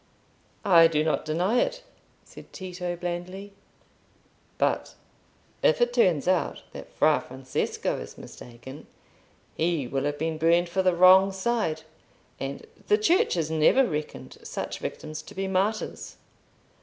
"I do not deny it," said Tito, blandly. "But if it turns out that Fra Francesco is mistaken, he will have been burned for the wrong side, and the Church has never reckoned such victims to be martyrs.